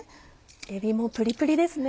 えびもプリプリですね。